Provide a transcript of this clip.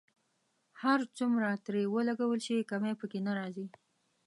هر څومره ترې ولګول شي کمی په کې نه راځي.